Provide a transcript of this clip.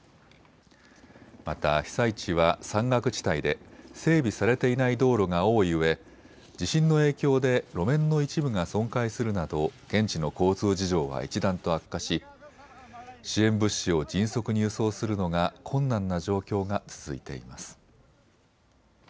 また被災地は山岳地帯で整備されていない道路が多いうえ地震の影響で路面の一部が損壊するなど現地の交通事情は一段と悪化し支援物資を迅速に輸送するのが困難な状況が続いています。